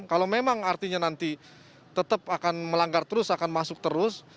kalau memang artinya nanti tetap akan melanggar terus akan masuk terus